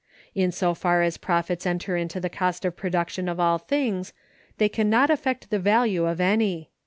In so far as profits enter into the cost of production of all things, they can not affect the value of any.